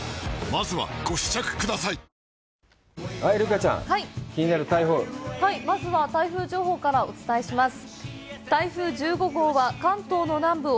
まずは台風情報からお伝えします。